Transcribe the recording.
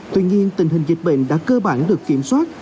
tuy nhiên tình hình dịch bệnh đã cơ bản được kiểm soát